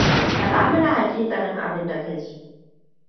Faɗa mini haƙiƙanin abinda ka ji.